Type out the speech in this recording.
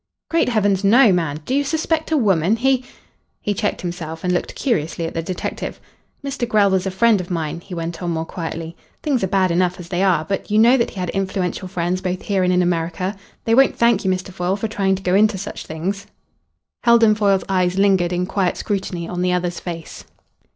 "Great heavens, no, man! Do you suspect a woman? He " He checked himself, and looked curiously at the detective. "Mr. Grell was a friend of mine," he went on more quietly. "Things are bad enough as they are, but you know that he had influential friends both here and in America. They won't thank you, Mr. Foyle, for trying to go into such things." Heldon Foyle's eyes lingered in quiet scrutiny on the other's face.